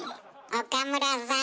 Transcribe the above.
「岡村さん！！」。